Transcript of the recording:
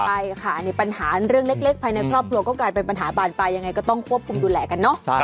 ใช่ค่ะนี่ปัญหาเรื่องเล็กภายในครอบครัวก็กลายเป็นปัญหาบานปลายยังไงก็ต้องควบคุมดูแลกันเนอะ